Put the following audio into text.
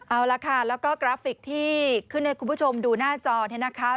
เอาละค่ะแล้วก็กราฟิกที่ขึ้นให้คุณผู้ชมดูหน้าจอเนี่ยนะคะ